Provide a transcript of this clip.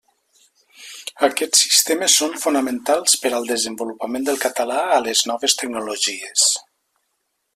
Aquests sistemes són fonamentals per al desenvolupament del català a les noves tecnologies.